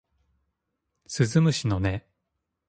鈴虫の音